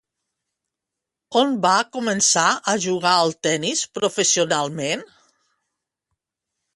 On va començar a jugar al tenis professionalment?